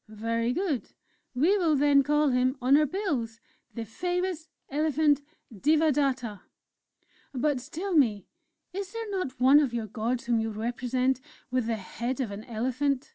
'" "Very good! We will then call him on our bills, 'The Famous Elephant Devadatta'.... But, tell me, is there not one of your gods whom you represent with the head of an elephant?"